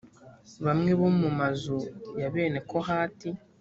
bamwe bo mu mazu ya bene kohati